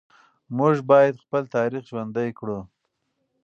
موږ باید خپل تاریخ ژوندي کړو.